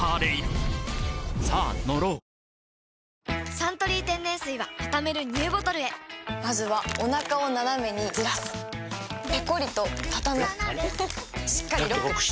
「サントリー天然水」はたためるＮＥＷボトルへまずはおなかをナナメにずらすペコリ！とたたむしっかりロック！